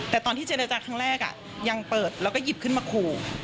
แต่ตอนที่เจรจาครั้งแรกยังเปิดแล้วก็หยิบขึ้นมาขู่